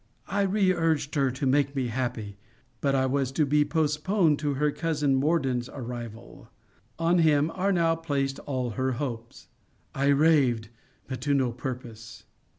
I re urged her to make me happy, but I was to be postponed to her cousin Morden's arrival. On him are now placed all her hopes. I raved; but to no purpose.